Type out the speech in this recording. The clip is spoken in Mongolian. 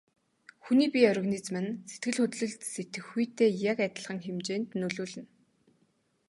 Хүний бие организм нь сэтгэл хөдлөлд сэтгэхүйтэй яг адилхан хэмжээнд нөлөөлнө.